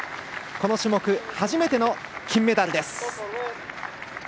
この種目、初めての金メダルです。